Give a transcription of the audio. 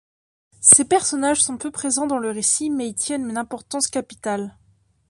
Ces personnages sont peu présents dans le récit mais y tiennent une importance capitale.